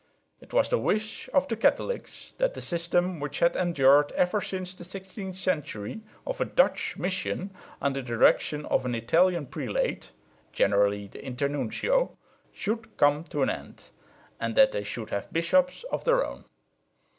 It was the wish of the Catholics that the system which had endured ever since the 16th century of a "Dutch mission" under the direction of an Italian prelate (generally the internuncio) should come to an end, and that they should have bishops of their own.